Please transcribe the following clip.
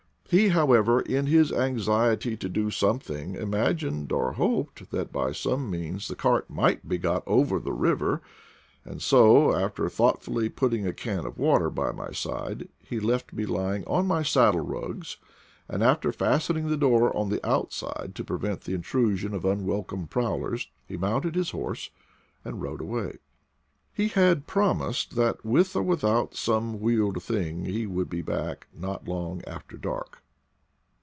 He, however, in his anxiety to do something, imagined, or hoped, that by some means the cart might be got over the river, and so, after thoughtfully put ting a can of water by my side, he left me lying on my saddle rugs, and, after fastening the door on the outside to prevent the intrusion of unwel come prowlers, he mounted his horse and rode away. He had promised that, with or without some wheeled thing, he would be back not long after dark.